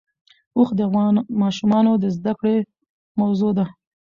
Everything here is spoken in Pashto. اوښ د افغان ماشومانو د زده کړې موضوع ده.